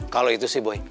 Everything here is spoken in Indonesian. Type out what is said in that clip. kalau itu sih boy